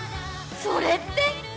それって！